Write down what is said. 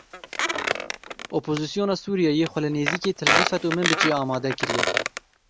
Opozisyona Sûriyeyê xwe li nêzîkî Til Rifet û Minbicê amade kiriye.